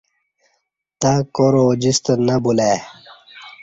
تہ کور ا جستہ نہ بلہ ای